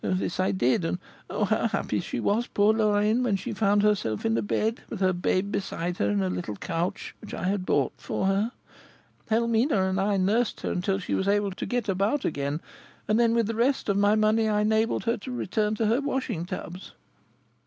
This I did; and, oh, how happy she was, poor Lorraine, when she found herself in a bed, with her babe beside her in a little couch which I had bought for her! Helmina and I nursed her until she was able to get about again, and then, with the rest of my money, I enabled her to return to her washing tubs."